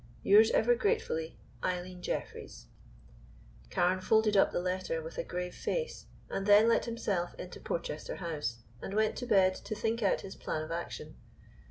"Yours ever gratefully, "EILEEN JEFFREYS." Carne folded up the letter with a grave face, and then let himself into Porchester House and went to bed to think out his plan of action.